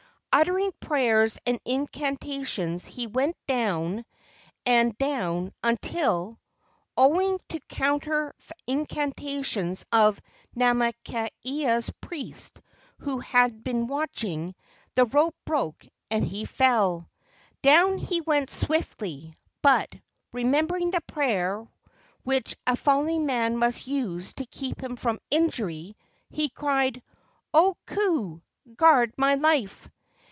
Uttering prayers and incantations he went down * Paritium tiliaceus. 72 LEGENDS OF GHOSTS and down until, owing to counter incantations of Namakaeha's priests, who had been watching, the rope broke and he fell. Down he went swiftly, but, remembering the prayer which a falling man must use to keep him from injury, he cried, "O Ku! guard my life!"